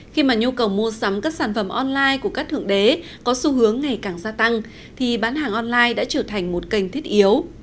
khi mà nhu cầu mua sắm các sản phẩm online của các thượng đế có xu hướng ngày càng gia tăng thì bán hàng online đã trở thành một kênh thiết yếu